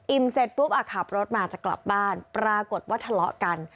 เสร็จปุ๊บอ่ะขับรถมาจะกลับบ้านปรากฏว่าทะเลาะกัน